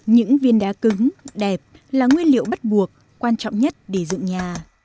những viên đá cứng đẹp là nguyên liệu bắt buộc quan trọng nhất để dựng nhà